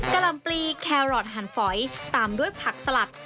กำลังปีแคโรตต์หันฝอยตามด้วยผักสลัด